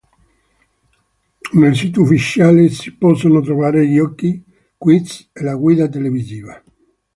Nel sito ufficiale si possono trovare giochi, quiz e la guida televisiva.